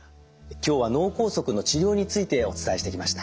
今日は脳梗塞の治療についてお伝えしてきました。